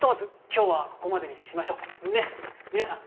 今日はここまでにしましょうねっ皆さん